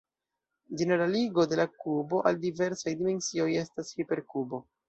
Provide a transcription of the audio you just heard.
Ĝeneraligo de la kubo al diversaj dimensioj estas "hiperkubo".